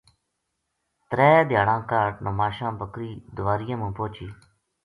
ترے دھیاڑاں کاہڈ نماشاں بکری دواریاں ما پوہچی